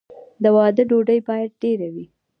د واده ډوډۍ باید ډیره وي.